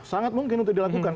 sangat mungkin untuk dilakukan